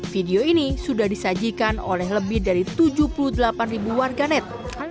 video ini sudah disajikan oleh lebih dari tujuh puluh delapan ribu warganet